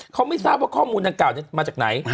เขาไม่ทราบว่าข้อมูลดังกล่าวมาจากไหน